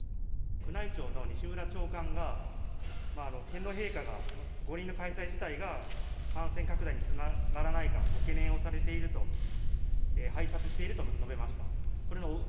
宮内庁の西村長官が、天皇陛下が五輪の開催自体が感染拡大につながらないかご懸念をされていると拝察していると述べました。